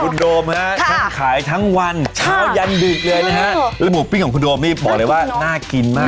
คุณโดมฮะทั้งขายทั้งวันเช้ายันดึกเลยนะฮะแล้วหมูปิ้งของคุณโดมนี่บอกเลยว่าน่ากินมาก